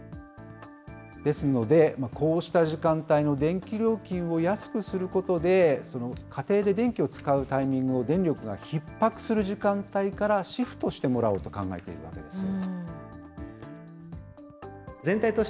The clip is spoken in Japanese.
ですのでこうした時間帯の電気料金を安くすることで、家庭で電気を使うタイミングを、電力がひっ迫する時間帯からシフトしてもらおうと考えているわけです。